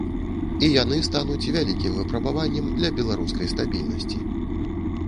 І яны стануць вялікім выпрабаваннем для беларускай стабільнасці.